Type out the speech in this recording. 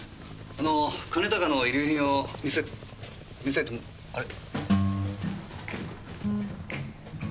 あの兼高の遺留品を見せ見せてあれ？